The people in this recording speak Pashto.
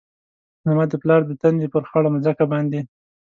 زما د پلار د تندي ، پر خړه مځکه باندي